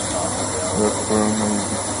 ব্যস্ত হোয়ে না দিদি।